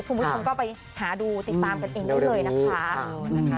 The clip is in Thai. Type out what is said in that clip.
คุณผู้ชมก็ไปหาดูติดตามกันเองได้เลยนะคะ